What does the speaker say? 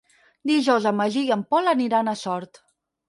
Dijous en Magí i en Pol aniran a Sort.